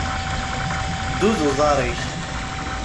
Ddu d uḍaṛ-ik.